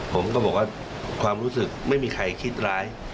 ผมก็บอกว่าความรู้สึกไม่มีใครคิดร้าย